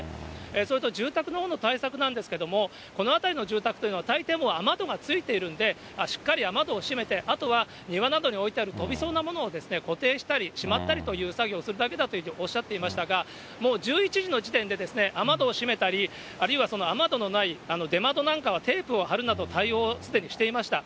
それと住宅のほうの対策なんですけれども、この辺りの住宅というのは、たいていもう雨戸がついているんで、しっかり雨戸を閉めて、あとは庭などに置いてある飛びそうなものを固定したり、しまったりという作業をするだけだとおっしゃっていましたが、もう１１時の時点で雨戸を閉めたり、あるいは雨戸のない出窓なんかはテープを貼るなど対応をすでにしていました。